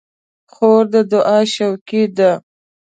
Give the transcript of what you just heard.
خور د دعا شوقي ده.